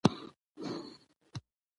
د حکومت د امنیت وزیر ؤ